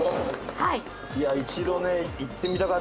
はい。